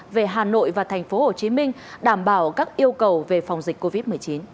về hà nội và tp hcm đảm bảo các yêu cầu về phòng dịch covid một mươi chín